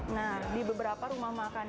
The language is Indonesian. nah di beberapa rumah makan